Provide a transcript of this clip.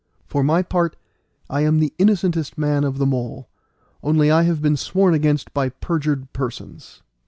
For my part I am the innocentest person of them all, only I have been sworn against by perjured persons."